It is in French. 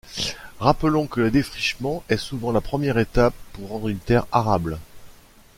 Rappelons que le défrichement est souvent la première étape pour rendre une terre arable.